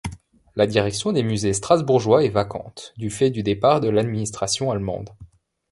La direction des musées strasbourgeois est vacante, du fait du départ de l’administration allemande.